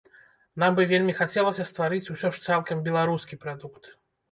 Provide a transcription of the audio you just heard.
Нам бы вельмі хацелася стварыць усё ж цалкам беларускі прадукт.